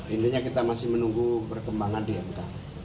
intinya kita masih menunggu perkembangan di mk